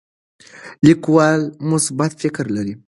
لیکوال مثبت فکر لري.